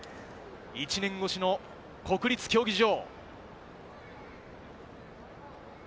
１年越しの国立競技場。